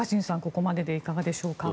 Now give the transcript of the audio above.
ここまででいかがでしょうか。